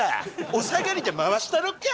お下がりで回したろか！